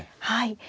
はい。